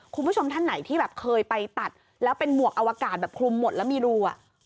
คุณผู้ชมท่านไหนที่แบบเคยไปตัดแล้วเป็นหมวกอวกาศแบบคลุมหมดแล้วมีรูอ่ะ